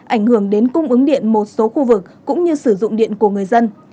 ảnh hưởng đến cung ứng điện một số khu vực cũng như sử dụng điện của người dân